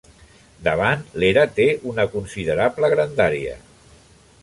Davant, l'era, té una considerable grandària.